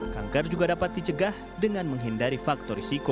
kanker juga dapat dicegah dengan menghindari faktor risiko